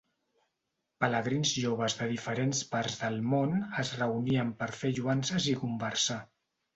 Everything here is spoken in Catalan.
Pelegrins joves de diferents parts del món es reunien per fer lloances i conversar.